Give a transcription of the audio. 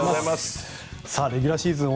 レギュラーシーズン